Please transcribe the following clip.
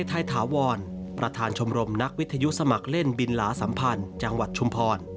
ไทยถาวรประธานชมรมนักวิทยุสมัครเล่นบินหลาสัมพันธ์จังหวัดชุมพร